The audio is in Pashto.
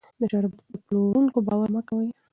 د شربت په پلورونکو باور مه کوئ.